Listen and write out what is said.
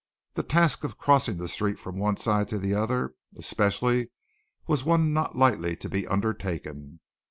The task of crossing the street from one side to the other, especially, was one not lightly to be undertaken!